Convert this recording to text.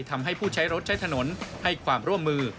ทำให้ผู้ใช้รถใช้ถนนให้ความร่วมมือ